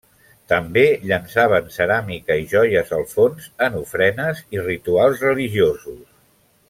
També llançaven ceràmica i joies al fons, en ofrenes i rituals religiosos.